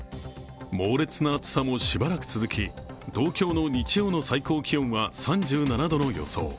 猛烈な暑さもしばらく続き東京の日曜の最高気温は３７度の予想